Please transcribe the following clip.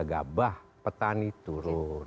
gabbah petani turun